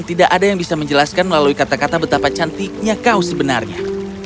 tidak ada yang bisa menjelaskan melalui kata kata betapa cantiknya kau sebenarnya